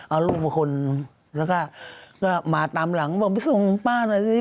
เอาลูกมาคนแล้วก็มาตามหลังบอกไปส่งป้าหน่อยสิ